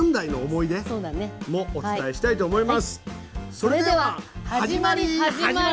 それでは始まり始まり。